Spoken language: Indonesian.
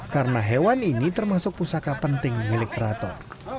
karena hewan ini termasuk pusaka penting milik keraton